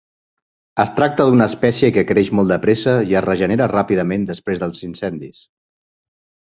Es tracta d'una espècie que creix molt de pressa i es regenera ràpidament després dels incendis.